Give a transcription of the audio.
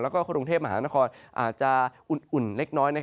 แล้วก็กรุงเทพมหานครอาจจะอุ่นเล็กน้อย